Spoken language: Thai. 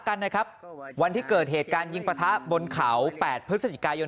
กันนะครับวันที่เกิดเหตุการณ์ยิงประทะบนเขา๘พฤศจิกายน